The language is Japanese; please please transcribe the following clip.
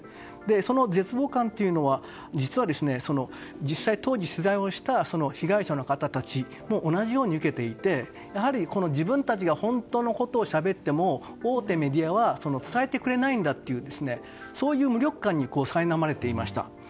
その絶望感というのは実は実際、当時取材をした被害者の方たちも同じように受けていてやはり自分たちが本当のことをしゃべっても大手メディアは伝えてくれないんだというそういう無力感にさいなまれていました。